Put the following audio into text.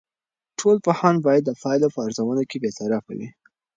ټول پوهان باید د پایلو په ارزونه کې بیطرف وي.